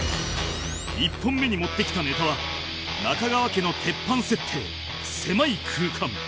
１本目に持ってきたネタは中川家の鉄板設定狭い空間